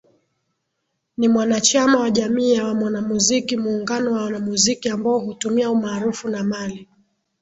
ni mwanachama wa Jamii ya Mwanamuziki muungano wa wanamuziki ambao hutumia umaarufu na mali